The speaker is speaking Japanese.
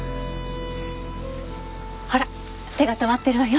ほら手が止まってるわよ。